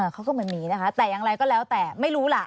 เขาก็เหมือนหนีนะคะแต่อย่างไรก็แล้วแต่ไม่รู้ล่ะ